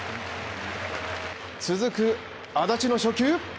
続く安達の初球。